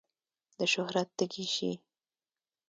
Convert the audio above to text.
د شهرت تږی شي.